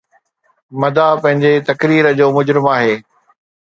مدعا پنهنجي تقرير جو مجرم آهي